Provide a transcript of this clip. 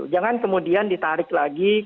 jangan kemudian ditarik lagi